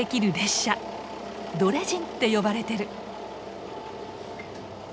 ドレジンって呼ばれてる。